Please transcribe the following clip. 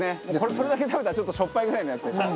それだけ食べたらちょっとしょっぱいぐらいのやつでしょ？